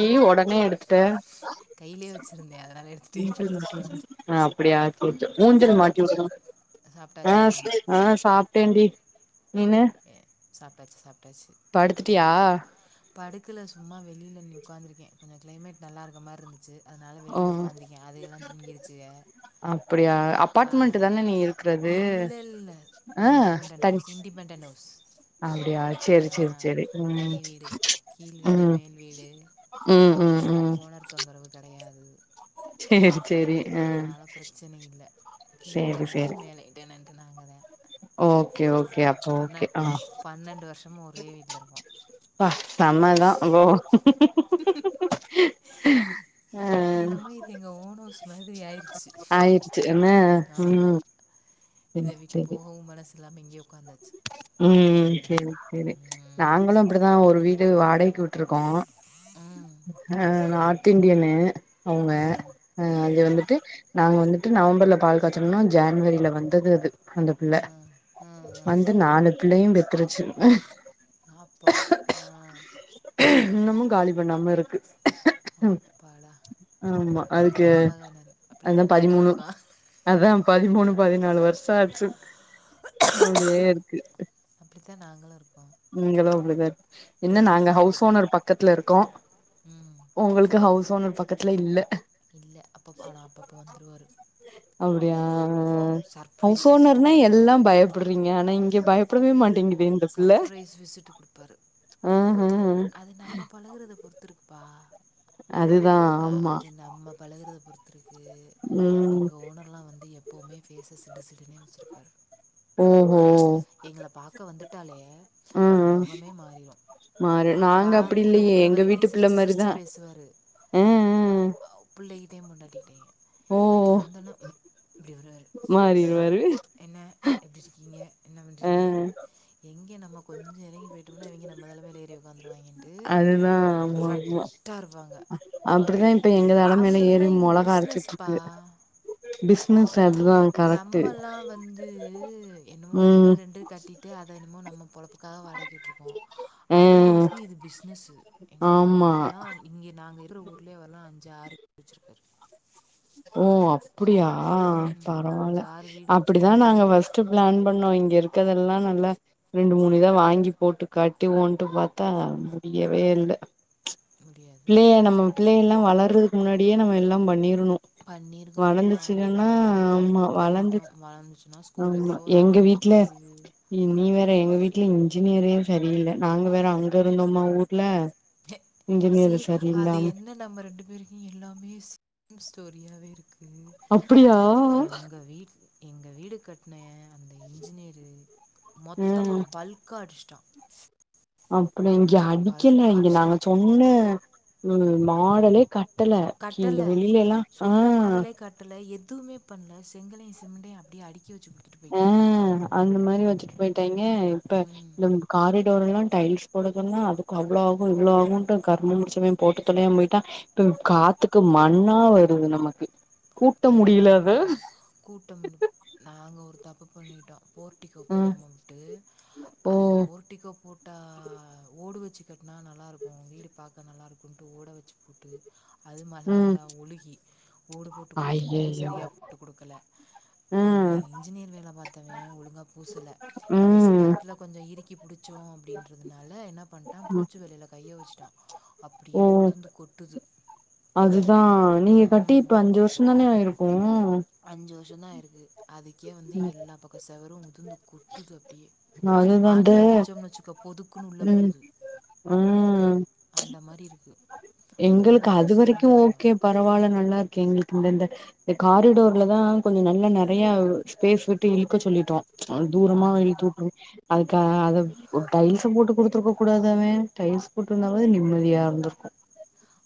நீ உடனே எடுத்துட்ட [unintelligible] அப்டியா மூஞ்சிர மாட்டி விடத ஆஹ் ஆஹ் சாப்பட்டேண்டி நீனு படுத்துட்டியா படுக்கல சும்மா வெளியல வந்து உக்காந்ருக்கேன் கொஞ்சம் கிளைமேட் நல்லா இருக்க மாரி இருந்துச்சு அதனால் வெளியில உ்காந்துருக்கேன் அது எல்லாம் தூங்கிருச்சுக இல்ல இல்ல இன்டிபெண்டண்ட் இன்ண்டடிபெண்டண்ட் அப்படியா சேரி சேரி சேரி உம் உம் உம் உம் உம் ஓனர் தொந்தரவு கிடையாது சேரி அதனால பிரச்சனை இல்ல கீழேயும் டென்னெண்டு மேலேயும் டென்னெண்டு விட்டு நாங்கதேன் ஓகே ஓகே அப்போ ஓகே ஆஹ் ஒரே வீட்ல இருக்குகோம் அப்பா செம்மதான் ஓ [inaudible] [inaudible] என்னமா இது எங்க ஓன் ஹவுஸ் ஆயிடுச்சு என்ன உம் இத விட்டு போகவும் மனசு எல்லாம்மோங்கய உம் சேரி சேரி நாங்களும் அப்டி அதான் ஒரு வீடு வாடகைக்கு விட்டுருக்கோம் ஆஹ் நார்த் இண்டியனு அவங்க ஆஹ் அங்க வந்துட்டு நாங்க வந்து நவம்பர்ல பால் காச்சனும் ஜன்வரில வந்தது அது அந்த புள்ள நாலு பிள்ளையும் பெத்துருச்சு ஆப்பா உம் இன்னமும் காலி பண்ணாம இருக்கு ஆமா அதுக்கு அந்த பதிமூணு அதான் பதிமூணு பதினாலு வருஷம் ஆச்சு அப்டியே இருக்கு அப்டித்தான் நாங்களும் இருக்கோம் நீங்களும் அப்படித்தான் என்ன நாங்க ஹவுஸ் ஓனர் பக்கத்துல இருக்கோம் உங்களுக்கு ஹவுஸ் ஓனர் பக்கத்துல இல்ல இல்ல அப்ப ஆன அப்ப அப்ப வந்துருவாரு [unintelligible] உம் ஹவுஸ் ஓனர்னா எல்லாம் பயப்படுறீங்க ஆனா இங்க பயப் இப்புடவே மாட்டேங்க இந்த பிள்ள விசிட்டு கொடுப்பாரு அது நம்ம பழகுறத பொறுத்துருக்கு பாஹ் ஆ அது நம்ம பழகுறத பொறுத்து உம் எப்பவுமே பேஸ சிடு சிடுனே வச்சுருப்பாறு எங்கள பாக்க வந்துட்டாலே அந்த முகமே மாறிரும் நாங்க அப்டி இல்லையே எங்க வீட்டு பிள்ள மாரிதான் அஹ ஹ ஹ ஏன் பொண்டாடிட்டையே இங்கட்டு வந்தோனா இம் இப்டி வருவாரு நேரா என்ன எப்டி இருக்கீங்க என்ன பண்றீங்க எங்கே நம்ம கொஞ்ச இறங்கி போயிட்டோம்னா இவங்க தல மேல யேறி அதுதான் ஆமா ஆமா அப்டிதான் இப்ப எங்க தல மேல ஏறி மொளக அரச்சிட்டு இருக்கு பிஸ்னஸ் நம்மெல்லா வந்து என்னமோ ஒண்ணு ரெண்டு கட்டி விட்டு அத என்னமோ நம்ம பொலப்புக்காக வாடகி விட்ருக்கோ அவங்களுக்கு இது பிஸ்னசு எங்கெல்லா இங்க நாங்க இருக்குற ஊர்லயே வல்லா அஞ்சு ஆறு வெச்சிருக்காரு உம் அப்படியா பரவால அப்படி தா நாங்க ஃபஸ்ட்டு பிளான் பண்ணோ இங்க இரு இருக்கதெல்லா நல்லா ரெண்டு மூணு இத வாங்கி போட்டு கட்டி வோன்ட்டு பாத்தா முடியவே இல்ல பிள்ளைய நம்ம வி பிள்ளையல்லா வளர்றதுக்கு முன்னாடியே நம்ம எல்லா பண்ணிரனோ பண்ணிருக்கணும்ப்பா நாங்கல்லா தப்பு பண்ணிட்டோ வளந்துச்சுன்னா ஸ்கூலுக்கே ஒரு அமௌண்ட்டு போயிருது ட்ல இன்ஜினரே சரியில்ல நாங்க வேற அங்க இருந்தோம்மா ஊர்ல சீ அது என்ன நம்ம ரெண்டு பேருக்கு எல்லாமே சேம் ஸ்டோரி ரியவே இருக்கு அப்டியா எங்க வீடு கட்ன அந்த இன்ஜினியரு மொத்தமா பல்க்கா அடிச் அம் இங்க அடிக்கல இங்க நாங்க சொன்ன ம் மாடலே க கட்டல இந்த வெளில எல்லா ஆ எதுமே பண்ல செங்கலையு சிமண்டையு அப்டியே அடிக்கி வச் ம் அந்த மாரி [unintelligible] வச்சிட்டு போயிட்டாங்கெ [unintelligible] இப்ப நம்ப கார் [unintelligible] எல்லா டைல்ஸ் போட சொன்னா அதுக்கு அவ்ளோ ஆகு இவ்ளோ ஆகு கர்ம புடிச்சவ போட்டு தொலையாம போயிட்டா இப்ப காத்துக்கு மண்ணா வருது நமக்கு எல்லாரு அப்டி தா கூட்டம் மு நாங்க ஒரு தப்ப பண்ணிட்டோ போர்டிக்கோ போடாம விட்டு அது போர்டிகோ போட்டா ஓடு வச்சு கட்னா நல்லா இருக்கு வீடு பாக்க நல்லா இருக்குன்ட்டு ஓட வச்சு போட்டு அது மல வந்தா ஒலுகி ஓடு போட்டு குடுத்து செரியா போட்டு குடுக்கல இன்ஜினியர் வேல பாத்தவ ஒலுங்கா பூசல கடைசி நேரத்துல கொஞ்ஜோ இறுக்கி புடிச்சோ அப்டின்றதுனால என்ன பண்ட்டா பூச்சி வேலல கை யோசிட்டா அப்டியே உதுந்து கொட்டுது நீங்க கட்டி இப்ப அஞ்சு வருஷம் தானே இருக்கும் அஞ்சு வருஷம் தான் ஆயிருக்கு அதுக்கே வந்து எல்லா பக்கம் செவுரும் [inaudible] அது வந்து ம் அப் எங்களுக்கு அது வரைக்கும் ஓகே பரவாயில்ல நல்லா இருக்கு எங்களுக்கு இந்த இந்த காரிடோர்லதான் கொஞ்சம் நல்லா நிறைய ஸ்பேஸ் விட்டு இழுக்க சொல்லிட்டோம் தூரமா இழுத்தூட்டு அதுக்கு அத டைல்ஸ் போட்டுப் குடுத்துருக்ககூடாது அவன் டைல்ஸ் போட்டிருந்தாலாவது நிம்மதியா இருந்திருக்கும்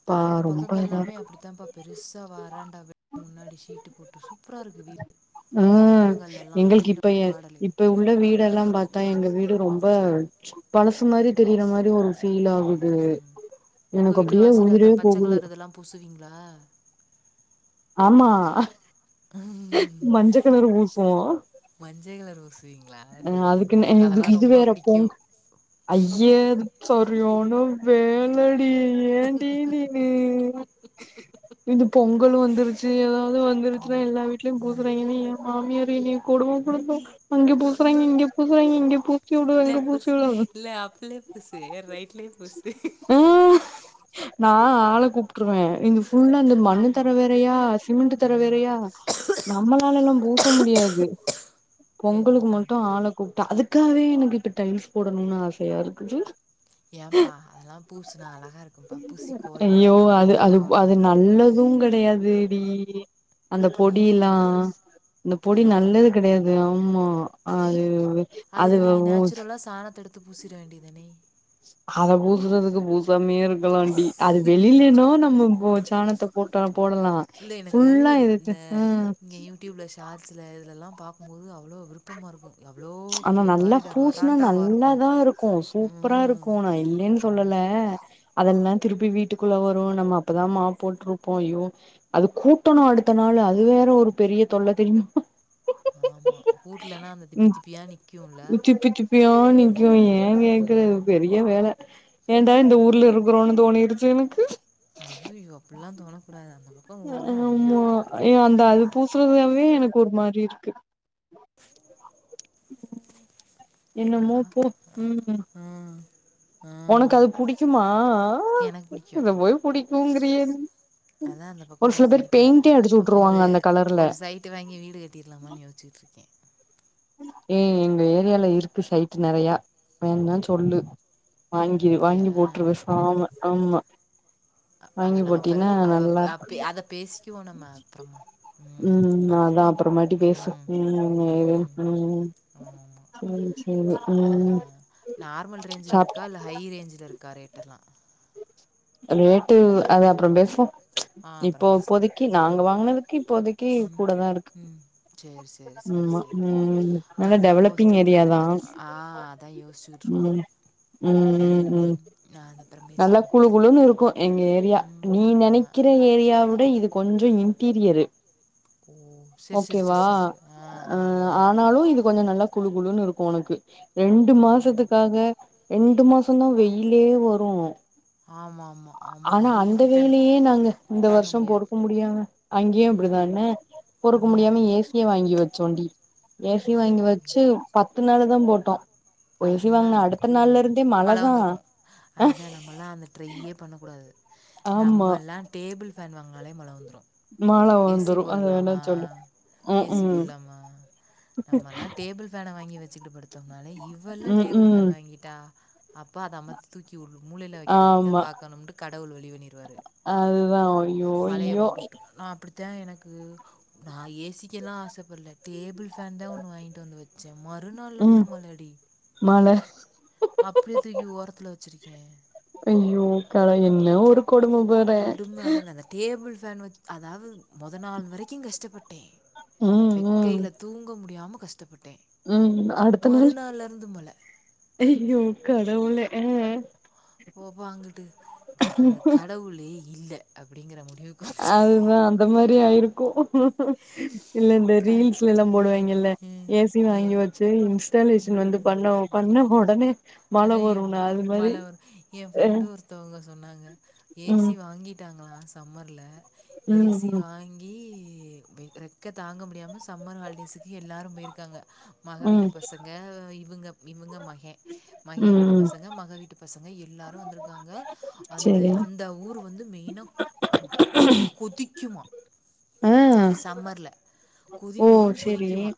ஆனா அந்த பக்கங்கள்லாமே அப்டித்தான்ப்ப பெருசா வராண்டா வீட்டுமுன்னாடி சீட்டு போட்டு சூப்பரா இருக்கு வீடு உங்க பக்கங்கள்ல எல்லாம் வீடுமாடல் இப்ப உள்ள வீடெலாம் பாத் ன்எங்க வீடு ரொம்ப பழசு மாரி தெரியிற மாரி ஒரு ஃபீல் ஆகுது எனக்கு அப்டியே உயிரே போகுது ஆமா மஞ்ச கலரு பூசுவோம் மஞ்ச கலர் ஹ் அதுக்குனு இது இது வேற பொங்க ஐயேது சரியான வேலடி ஏண்டி நீனுஇது பொங்கல் வந்துருச்சு ஏதாவது வந்துருச்சுன்னா எல்லா வீட்லயும் பூசுறாங்கன்னு என் மாமியார் என்னைய கொடும படுத்து அங்கே பூசுறாங்க இங்க பூசுறாங்க இங்கே பூ அப்ல புசு இல்ல அப்பலயே புசு ரைட்லயே புசு நான் ஆள கூப்ட்ருவேன் இந்த ஃபுல்லா இந்த மண்னு தர வேறையா சிமெண்ட் தர வேறையா நம்மளால எல்லாம் பூச முடியாது பொங்களுக்கு மட்டும் ஆள கூப் ப்ப அதுக்காவே எனக்கு இப்ப டைல்ஸ் போடணும்னு ஆசையா இருக்குது ஏன்பா அதெல்லாம் பூசுனா அழகா இருக்கும்பா பூசி கோலம் போடுப்பா கலர் கோலம் [unintelligible] அந்த பொடியல்லாம் ந்த பொடி நல்லது கெடையாது ஆமா அது அதுக்கு நீங்க நேச்சுரலா சாணத்தை எடுத்து த்து பூசிட வேண்டியதானே அத பூசுறதுக்கு பூசாமே இருக்கலாம்ண்டி அது வெளிலனா நம்ம போ சாணத்தை போட்டா போடலாம் ஃபுல்லா எதுக்கு உம் சார்ஜில இதலலாம் பார்க்கும்போது அவ்ளோ விருப்பமா இருக்கும் ஆனா நல்லா பூசுனா நல்லாதா இருக்கும் சூப்பரா இருக்கும் நான் இல்லைன்னு சொல்லல அதெல்லாம் திருப்பி வீட்டுக்குள்ள வரும் நம்ம அப்பதான் மாப் போட்ருப்போம் ஐயோ அது கூட்டணும் அடுத்த நாள் அது வேற ஒரு பெரிய தொல்லை தெரியுமா ஆமா கூட்லன்னா அந்த திப்பி திப்பியா நிக் [unintelligible] திப்பி திப்பியா ஆ நிக்கும் எங்க இருக்கறது பெரிய வேல ஹ [inaudible] ஏன்டா இந்த ஊர்ல இருக்குறோன்னு தோணிருக் த்து எனக்கு அயோயோ அப்டிலாம் தோணக்கூடாது அந்த பக் ஆமா ஏ அந்த அது பூசுறதாவே எனக்கு ஒரு மாரி இருக்கு [inaudible] உம் என்னமோ போ உம் உனக்கு அது புடிக்குமா இத போய் புடிக் தூங்குறியேன்னு அதான் அந்த பக்கம் ஒரு சைட்டு ஒரு ஒரு சைட்டு வாங்கி வீடு கட்டிடலாமான்னு யோசிச்சிட்டுருக்கேன் ஏ எங்க ஏரியால இருக்கு சைட் நிறையா வேணா சொல்லு வாங்கி வாங்கி போட்டுறு பேசாம ஆமா அத நம்ம பெரு அப்ப அ அத பேசிக்குவோம் நம்ம அப்புறமா உம் உம் உம் ஆஹ நார்மல் ரேஞ்சில் இருக்கா இல்ல ஹாய் ரேஞ்சில இருக்கா ரேட்டெல்லாம் ரேட்டு அது அப்புறம் பேசுவோம் இப்போ இப்போதைக்கு நாங்க வாங்கனதுக்கு இப்போதைக்கு கூட தான் இருக்கு உம் நல்ல டெவலப்பிங் ஏரிய தான் உம் உஹம் உம் உஹம் நல்லா குழு குழுன்னு இருக்கும் எங்க ஏரியா நீ நினைக்கிற ஏரியா விட இது கொஞ்சம் இன்டீரியரு ஓகேவா அஹ் ஆனாலும் இது கொஞ்சம் நல்லா குழு குழுன்னு இருக்கும் உனக்கு ரெண்டு மாசத்துக்காக ரெண்டு மாசம் தான் வெயிலே வரும் போ ஆனா அந்த வேலையே நாங்க இந்த வருஷம் பொறக்க முடியாம அங்கேயும் அப்டிதான்ன பொறுக்க முடியாம ஏசியை வாங்கி வச்சோம் சேண்டி ஏசி வாங்கி வச்சு பத்து நாள் தான் போட் டேம் அதுக்கு மேலே குளிர் வந்துருக்கும் மழை வந்திருக்கும் அதுக்கு நம்ம எல்லா அந்த ட்ரைய்யே பண்ணக்கூடாது அ நம்ம எல்லா டேபிள் ஃபேன் வாங்கினாலே மழ வந்து ஏசி போடலாமா ஏசி போடலாமா நம்மல்லா டேபிள் ஃபேனை வாங்கி வச் சீட்டுப்படுத்தனாலே டேபிள் ஃபன் வாங்கிட்டா அப்போ அது அம்மத்த தூக்கியுள்ளு மூளையில வைக்கிறதுக்கு தான் பா க்கணும்ட்டு கடவுள் வழி பண்ணிருவாரு மலைய போட்டு விட்டு நான் அப்படி தான் எனக்கு நான் ஏசிக்கெல்லாம் ஆசைப்படல டேபிள் ஃபேன் தான் ஒன்று வாங்கிட்டு வந்து வச்சேன் மறுநாள் இருந்து மலையடி அப்படிய தூ ஓரத்துல வச் வச்சிரிக்கே அய்யோ கல என்ன ஒரு கொடும அத அந்த டேபிள் பேன் வச்சு அதாவது முதல் நாள் வரைக்கும் கஷ்டப்பட்டேன் வெக்கையில தூங்க முடியாம கஷ்டப்பட் உம் அடுத்த நாள் அய்யோ கடவுளே உம் போப்பா அங்கிட்டு அத கடவுளே இல்ல அதுதான் அந்த மாரி டியா இருக்கோ இல்ல இந்த ரீல்ஸ்ல்லா போடுவாயிங்க இல்ல ஏசி வாங்கி வச்சு இன்ஸ்டாலேஷன் வந்து பண்ணோ பண்ண உடனே அதா எப் மழ வரு என் ஃப்ரெண்டு ஒருத்தவங்க சொன்னாங்க ஏசி வாங்கி விட்டாங்களா சம்மர்ல ஏசி வாங்கி எ வெ ரெக்கை தாங்க முடியாம சம்மர் ஹாலிடேஸ்குக்கு எல்லாரு போயிருக்காங்க மக வீட்டு பசங்க இவுங்க இவுங்க மகே மகே வீட்டு பசங்க மக வீட்டு பசங்க எல்லாரும் வந்திருக்காங்க அந்த அந்த ஊர் வந்து மெயினா அப்டி கொதிக்குமா சம்மர்ல்ல கொதி கொதின் கொதிக்குமா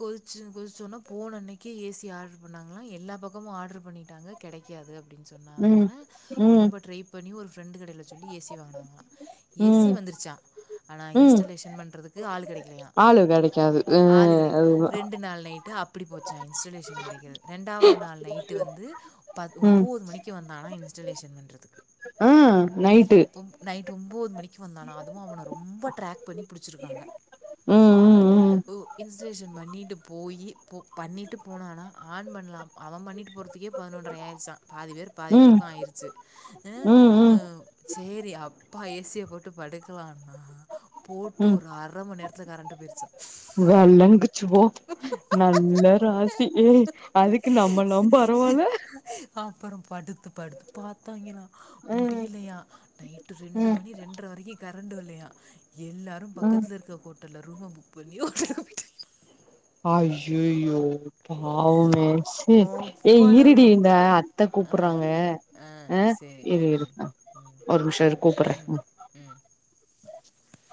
கொ திச்சன்னா போன அன்னைக்கே ஏசி ஆர்டர் பண்ணாங்களா எல்லா பக் கமு ஆர்டர் பண்ணிட்டாங்க கெடைக்காது அப்டின் சொன்னானோன ரொம்ப ட்ரை பண்ணி ஒரு ஃப்ரண்டு கடையில சொல்லி ஏசி வாங்னாங்களா ஏசி வந்துருச்சா ஆனா இன்ஸ்டாலேஷன் பண்றதுக்கு ஆள் கிடைக்கலாயா ஆள் கிடைக்கல ஆள் கிடைக்கல ரெண்டு நாள் நை அப்டி போச்சாயின் இன்ஸ்டாலேஷன் கிடைக்கிறது இரண்டாவ நைட்டு வந்து ப ஒம்போது மணிக்கு வந்தானா இன் இன்ஸ்டலேஷன் பண்ணுறதுக்கு. ஆஹ நைட்டு. டு ஒம்போது மணிக்கு வந்தானா அதுவு அவன. உம். ஓ இன்ஸ்டலேஷன் பண்ணிட்டு போயி போ பண்ணிட்டு போனானா ஆன் பண்ணலாம. அவம் பண்ணிட்டு போறதுக்கே பதினொன்றரை ஆயிடுச்சா பாதி பேர் பாதி தூக்கோ ஆயிருச்சு ஹ ஹே சேரி அப்பா ஏசிய போட்டு படுக்கலா. உம் வெளங்கிச்சி போ நல்ல ராச். சி ஏ அதுக்கு நம்மல்லா பரவாயில. படுத்து-படுத்து பாத்தாய்ங்களா. முடியலையா நைட்டு ரெண்டு மணி ரெண்டர வரைக்கு. கரண்ட் வல்லையா. எல்லாரு பக்கத்துல இருக்க ஹோட்டல. ரூம புக் பண்ணி ஹோட்டல்க்கு போய்ட்டாங்களா. ஐயையோ. பாவமே சி ஏ இருடி இந்த அத்த கூப்பற்றாங்க அஹ இரு இரு ஒரு நிமிஷோ இரு கூப்பற்ற உம். [unintelligible]